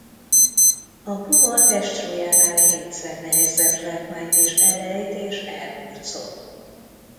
A puma testsúlyánál hétszer nehezebb zsákmányt is elejt és elhurcol.